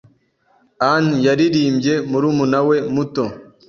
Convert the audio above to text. Ann yaririmbye murumuna we muto.